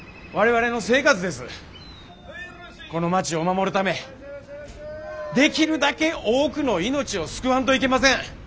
この町を守るためできるだけ多くの命を救わんといけません。